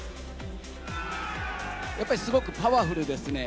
やっぱりすごくパワフルですね。